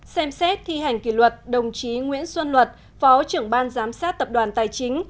ba xem xét thi hành kỷ luật đồng chí nguyễn xuân luật phó trưởng ban giám sát tập đoàn tài chính